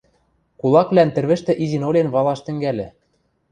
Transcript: кулаквлӓн тӹрвӹштӹ изин-олен валаш тӹнгӓльӹ.